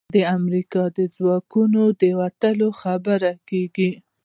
د امریکايي ځواکونو د وتلو خبرې کېږي.